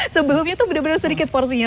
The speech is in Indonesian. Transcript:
sebelumnya itu benar benar sedikit porsinya